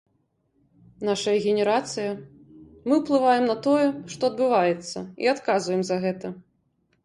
Нашая генерацыя, мы уплываем на тое, што адбываецца, і адказваем за гэта.